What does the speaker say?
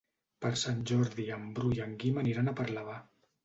Per Sant Jordi en Bru i en Guim aniran a Parlavà.